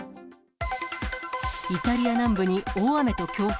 イタリア南部に大雨と強風。